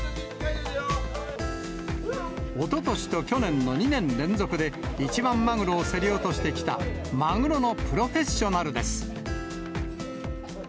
おととしと去年の２年連続で、一番マグロを競り落としてきた、マグロのプロフェッショナルです。